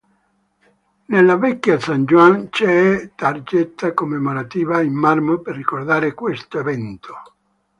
Nella Vecchia San Juan c'è una targhetta commemorativa in marmo per ricordare questo evento.